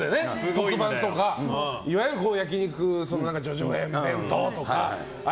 特番とか、いわゆる焼き肉の叙々苑弁当とか。